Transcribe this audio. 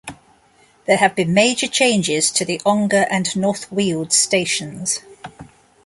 There have been major changes to the Ongar and North Weald stations.